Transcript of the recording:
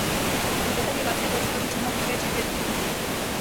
البتہ یہ واضح ہو چکا کہ جہاں فکر جگر کی تھی۔